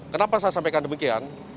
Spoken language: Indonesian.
kenapa saya sampaikan demikian